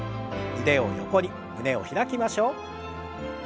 腕を横に胸を開きましょう。